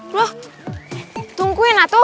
loh loh tungguin lah tuh